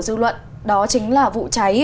dư luận đó chính là vụ cháy